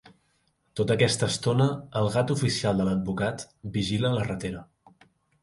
Tota aquesta estona, el gat oficial de l'advocat vigila la ratera.